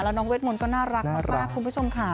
แล้วน้องเวทมนต์ก็น่ารักมากคุณผู้ชมค่ะ